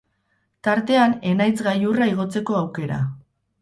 Tartean Enaitz gailurra igotzeko aukera.